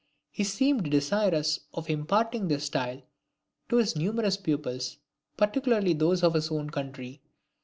He seemed desirous of imparting this style to his numerous pupils, particularly those of his own country.